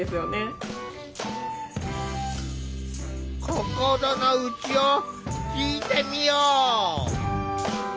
心の内を聞いてみよう。